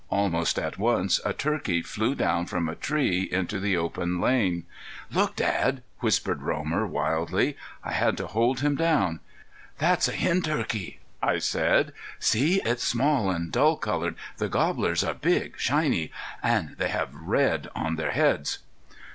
Almost at once a turkey flew down from a tree into the open lane. "Look Dad!" whispered Romer, wildly. I had to hold him down. "That's a hen turkey," I said. "See, it's small and dull colored. The gobblers are big, shiny, and they have red on their heads."